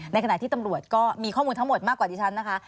ในขณะที่ตำรวจก็มีข้อมูลทั้งหมดมากกว่าดิฉันนะคะ